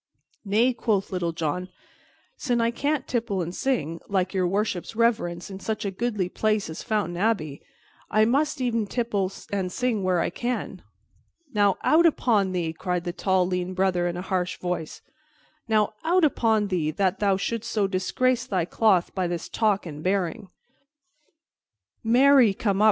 "Nay," quoth Little John, "sin' I cannot tipple and sing, like Your Worship's reverence, in such a goodly place as Fountain Abbey, I must e'en tipple and sing where I can." "Now, out upon thee," cried the tall lean Brother in a harsh voice, "now, out upon thee, that thou shouldst so disgrace thy cloth by this talk and bearing." "Marry, come up!"